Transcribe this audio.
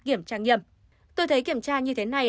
kiểm tra nghiêm tôi thấy kiểm tra như thế này